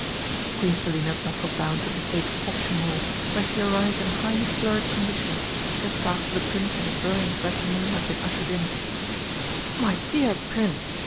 Queen Selina bustled down to the State Reception Hall, where she arrived in a highly flurried condition, just after the Prince and his brilliant retinue had been ushered in. "My dear Prince!"